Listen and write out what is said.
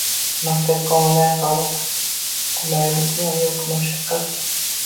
Maktabga onlayn qabul. Qulaylikmi yoki mashaqqat?